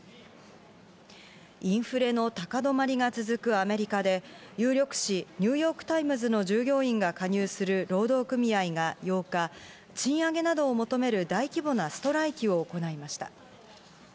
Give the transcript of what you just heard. インフレの高止まりが続くアメリカで、有力紙、ニューヨーク・タイムズの従業員が加入する労働組合が８日、賃上げなどを求める大規模なストライキを行いました。